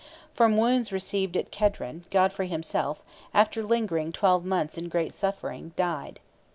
From wounds received at Credran, Godfrey himself, after lingering twelve months in great suffering, died.